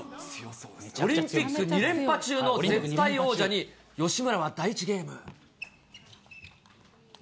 オリンピック２連覇中の絶対王者に、吉村は第１ゲーム。